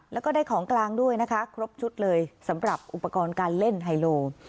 แล้วก็ได้ของกลางด้วยนะคะครบชุดเลยสำหรับอุปกรณ์การเล่นไฮโล